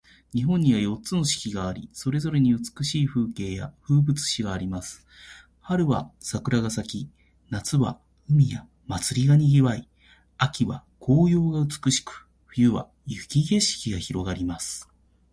日本には四つの季節があり、それぞれに美しい風景や風物詩があります。春は桜が咲き、夏は海や祭りが賑わい、秋は紅葉が美しく、冬は雪景色が広がります。季節ごとに異なる楽しみ方があるのが、日本の魅力の一つです。